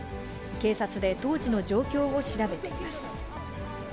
警察で当時の状況を調べています。